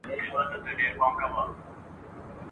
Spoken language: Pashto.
د دردونو او غمونو نرۍ لاري را ته ګوري !.